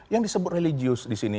yang disebut religius disini